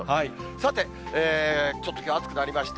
さて、ちょっときょう暑くなりました。